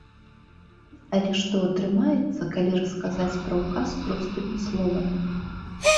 Але што атрымаецца, калі расказаць пра ўказ простымі словамі?